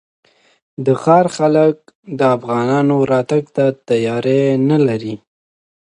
د ښار خلک د افغانانو راتګ ته تیاری نه لري.